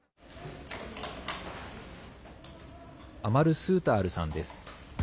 アマル・スータールさんです。